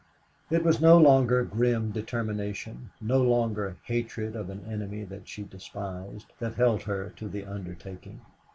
It was no longer grim determination, no longer hatred of an enemy that she despised, that held her to the undertaking.